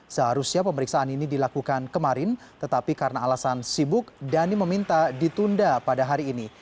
seharusnya pemeriksaan ini dilakukan kemarin tetapi karena alasan sibuk dhani meminta ditunda pada hari ini